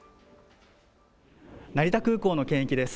成田空港の検疫です。